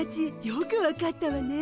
よく分かったわね。